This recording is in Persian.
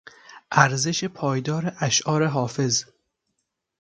ارزش پایدار اشعار حافظ